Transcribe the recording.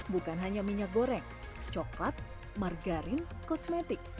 bukan hanya minyak goreng coklat margarin kosmetik